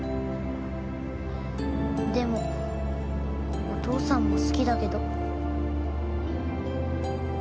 でもお父さんも好きだけど。